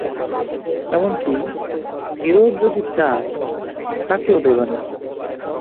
এমন কি ফিরোজ যদি চায়, তাকেও দেবে না।